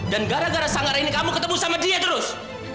dan gara gara sang arah ini kamu ketemu sama dia terus